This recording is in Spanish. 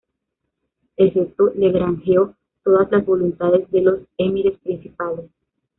El gesto le granjeó todas las voluntades de los emires principales.